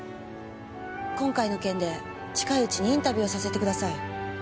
今回の件で近いうちにインタビューをさせてください。